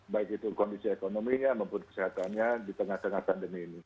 baik itu kondisi ekonominya maupun kesehatannya di tengah tengah pandemi ini